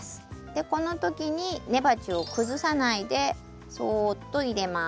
この時に根鉢をくずさないでそっと入れます。